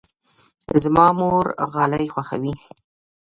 زما مور غالۍ خوښوي.